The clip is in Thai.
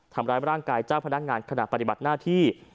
ทำร้ายร่างกายเจ้าพนักงานขณะปฏิบัติหน้าที่